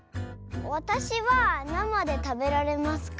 わたしはなまでたべられますか？